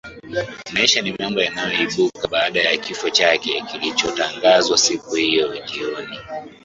maisha ni mambo yaliyoibuka baada ya kifo chake kilichotangazwa siku hiyo jioni